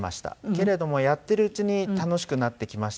けれどもやってるうちに楽しくなってきましたし。